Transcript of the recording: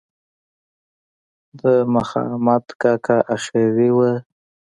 د مخامد کاکا آخري وه.